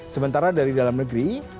sementara dari dalam negeri